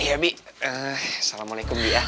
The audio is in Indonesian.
assalamualaikum bi ya